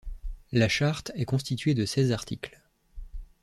La Charte est constituée de seize articles.